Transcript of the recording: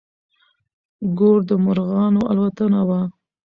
ګور د مرغانو الوتنه وه.